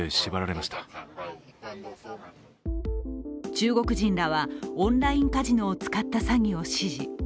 中国人らはオンラインカジノを使った詐欺を指示。